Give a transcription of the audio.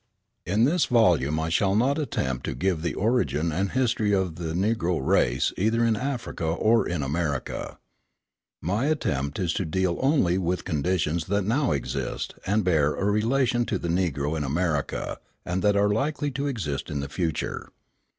In this volume I shall not attempt to give the origin and history of the Negro race either in Africa or in America. My attempt is to deal only with conditions that now exist and bear a relation to the Negro in America and that are likely to exist in the future.